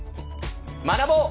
学ぼう！